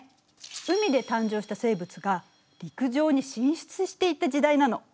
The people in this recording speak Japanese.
海で誕生した生物が陸上に進出していった時代なの。